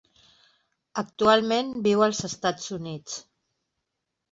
Actualment viu als Estats Units.